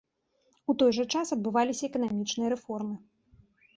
У той жа час адбываліся эканамічныя рэформы.